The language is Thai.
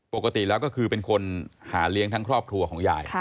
ปกติแล้วก็คือเป็นคนหาเลี้ยงทั้งครอบครัวของยาย